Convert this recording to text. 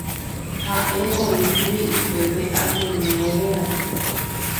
Ha'e oĩkuri upépe Ateneo rérape